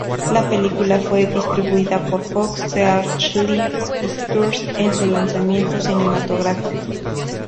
La película fue distribuida por Fox Searchlight Pictures en su lanzamiento cinematográfico.